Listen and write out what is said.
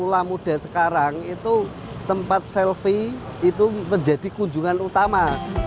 pemula muda sekarang itu tempat selfie itu menjadi kunjungan utama